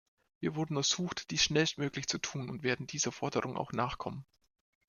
Wir wurden ersucht, dies schnellstmöglich zu tun und werden dieser Forderung auch nachkommen.